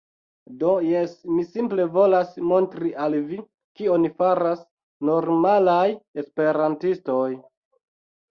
Do, jes mi simple volas montri al vi kion faras normalaj esperantistoj